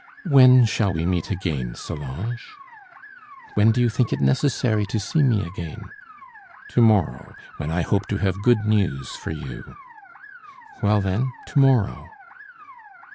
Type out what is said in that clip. "When shall we meet again, Solange?" "When do you think it necessary to see me again?" "To morrow, when I hope to have good news for you." "Well, then, to morrow."